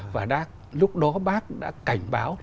và lúc đó bác đã cảnh báo